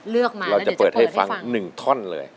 เลือกมาแล้วเดี๋ยวจะเปิดให้ฟังเราจะเปิดให้ฟังหนึ่งท่อนเลย